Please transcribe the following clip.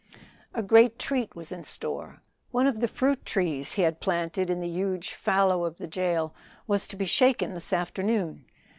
A great treat was in store; one of the fruit trees he had planted in the huge fallow of Jail was to be shaken this afternoon.